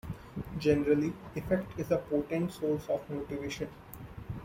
Generally, affect is a potent source of motivation.